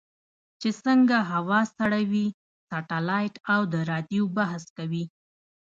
چې څنګه هوا سړوي سټلایټ او د رادیو بحث کوي.